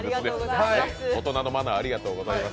大人のマナーありがとうございます。